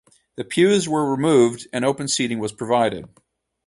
The pews were removed and open seating was provided.